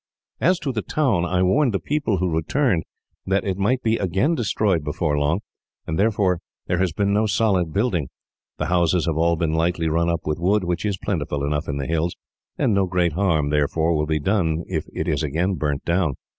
"As to the town, I warned the people who returned that it might be again destroyed before long, and therefore there has been no solid building. The houses have all been lightly run up with wood, which is plentiful enough in the hills, and no great harm, therefore, will be done if it is again burnt down.